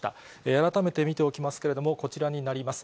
改めて見ておきますけれども、こちらになります。